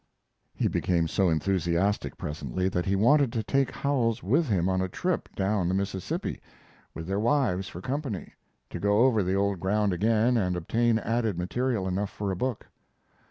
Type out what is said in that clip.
He became so enthusiastic presently that he wanted to take Howells with him on a trip down the Mississippi, with their wives for company, to go over the old ground again and obtain added material enough for a book.